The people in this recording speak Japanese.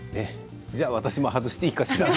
じゃあ私も外していいかしら。